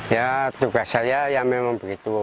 ya tugas saya ya memang begitu